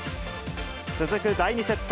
続く第２セット。